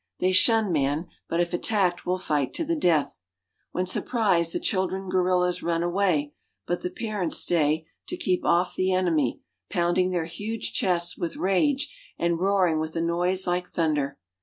They shun man, but if attacked will fight to the death. When surprised the children gorillas run away, . m'/p ;>■ liiit the parents stay ■.V to keep off the en i:my, pounding their huge chests with ^.ar ^ *a^<ii,j'i idL rage, and roaring , V ^^^■^Jkb^^^B^ with a noise like thunder.